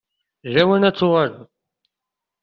D lawan ad tuɣaleḍ.